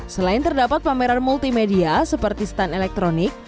selain terdapat pameran multimedia seperti stand elektronik